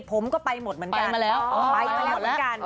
ผมก็ไปหมดเหมือนกันไปมาแล้ว